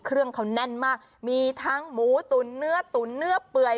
เครื่องเขาแน่นมากมีทั้งหมูตุ๋นเนื้อตุ๋นเนื้อเปื่อย